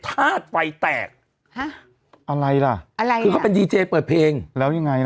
ธาตุไฟแตกฮะอะไรล่ะอะไรคือเขาเป็นดีเจเปิดเพลงแล้วยังไงล่ะ